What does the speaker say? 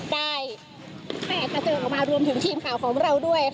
ได้แตกกระเจิงออกมารวมถึงทีมข่าวของเราด้วย